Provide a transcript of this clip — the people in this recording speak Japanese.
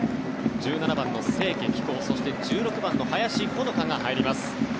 １７番の清家貴子そして、１６番の林穂之香が入ります。